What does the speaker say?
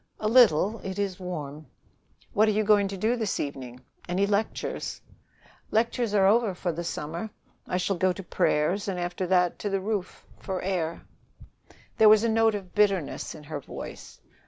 "A little. It is warm." "What are you going to do this evening? Any lectures?" "Lectures are over for the summer. I shall go to prayers, and after that to the roof for air." There was a note of bitterness in her voice.